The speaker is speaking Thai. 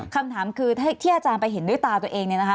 คำถามคือถ้าที่อาจารย์ไปเห็นด้วยตาตัวเอง